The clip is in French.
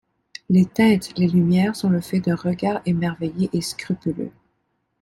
Les teintes, les lumières sont le fait d'un regard émerveillé et scrupuleux.